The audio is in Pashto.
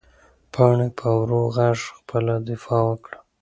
پاڼې په ورو غږ خپله دفاع وکړه.